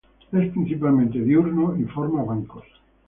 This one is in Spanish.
Es principalmente diurno y forma bancos